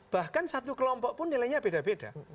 bahkan satu kelompok pun nilainya beda beda